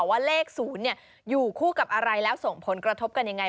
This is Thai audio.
ว่าเลข๐อยู่คู่กับอะไรแล้วส่งผลกระทบกันยังไง